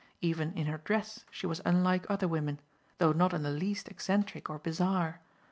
Even in her dress she was unlike other women, though not in the least eccentric or bizarre.